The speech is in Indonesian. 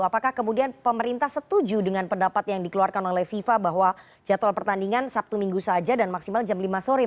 apakah kemudian pemerintah setuju dengan pendapat yang dikeluarkan oleh fifa bahwa jadwal pertandingan sabtu minggu saja dan maksimal jam lima sore